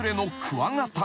クワガタ。